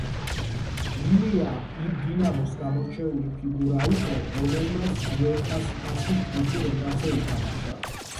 ილია იმ დინამოს გამორჩეული ფიგურა იყო, რომელმაც უეფა-ს თასის ჯგუფურ ეტაპზე ითამაშა.